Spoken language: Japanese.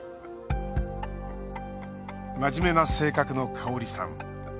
真面目な性格の、かおりさん。